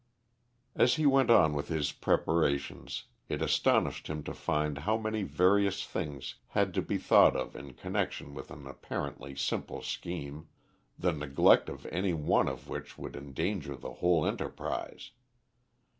As he went on with his preparations it astonished him to find how many various things had to be thought of in connexion with an apparently simple scheme, the neglect of any one of which would endanger the whole enterprise.